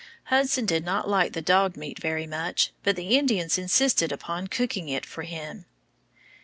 Hudson did not like the dog meat very much, but the Indians insisted upon cooking it for him.